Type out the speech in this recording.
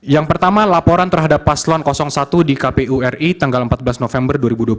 yang pertama laporan terhadap paslon satu di kpu ri tanggal empat belas november dua ribu dua puluh tiga